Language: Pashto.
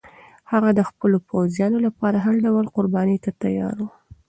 هغه د خپلو پوځیانو لپاره هر ډول قربانۍ ته تیار و.